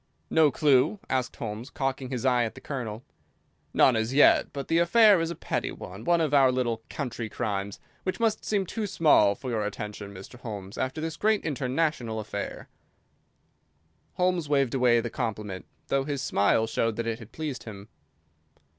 "No clue?" asked Holmes, cocking his eye at the Colonel. "None as yet. But the affair is a petty one, one of our little country crimes, which must seem too small for your attention, Mr. Holmes, after this great international affair." Holmes waved away the compliment, though his smile showed that it had pleased him.